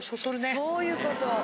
そういうこと。